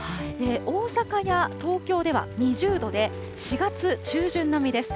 大阪や東京では２０度で、４月中旬並みです。